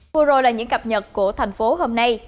vừa rồi là những cập nhật của thành phố hôm nay